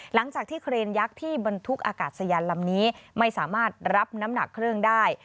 หลังจากที่เครนยักษ์ที่บรรทุกอากาศยานลำนี้ไม่สามารถรับน้ำหนักเครื่องได้